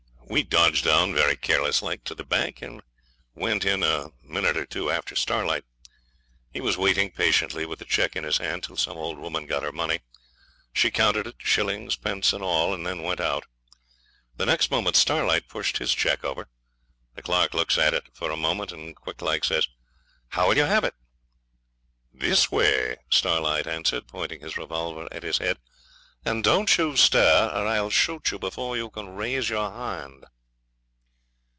We dodged down very careless like to the bank, and went in a minute or two after Starlight. He was waiting patiently with the cheque in his hand till some old woman got her money. She counted it, shillings, pence, and all, and then went out. The next moment Starlight pushed his cheque over. The clerk looks at it for a moment, and quick like says, 'How will you have it?' 'This way,' Starlight answered, pointing his revolver at his head, 'and don't you stir or I'll shoot you before you can raise your hand.'